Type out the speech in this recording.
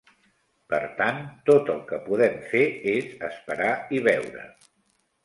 Per tant, tot el que podem fer és esperar i veure.